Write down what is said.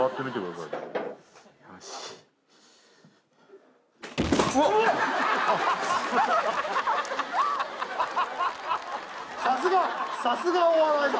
さすがさすがお笑いだ